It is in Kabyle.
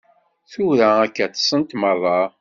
Tura akka ṭṭsent merra.